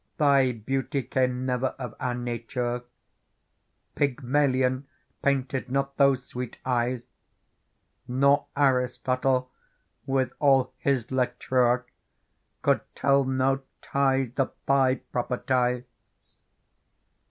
Thy beauty came never of our nature ; Pygmalion painted not those swe/st eyes. Nor Aristotle, with all his lettrure. Could tell no tithe of thy properties.